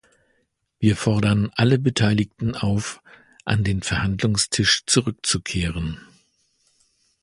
Wir fordern alle Beteiligten auf, an den Verhandlungstisch zurückzukehren.